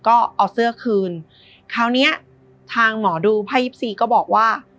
ก็เอาเสื้อคืนคราวเนี้ยทางหมอดูไพ่๒๔ก็บอกว่า